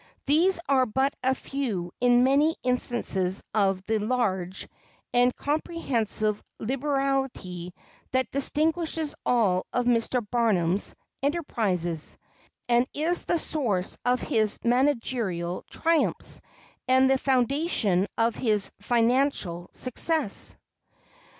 These are but a few in many instances of that large and comprehensive liberality that distinguishes all of Mr. Barnum's enterprises, and is the source of his managerial triumphs and the foundation of his financial success.